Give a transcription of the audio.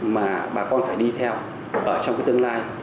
mà bà con phải đi theo ở trong cái tương lai